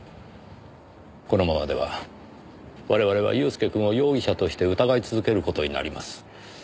このままでは我々は祐介くんを容疑者として疑い続ける事になります。